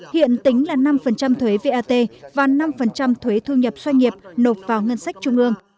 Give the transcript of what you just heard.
hiện tính là năm thuế vat và năm thuế thương nhập xoay nghiệp nộp vào ngân sách trung ương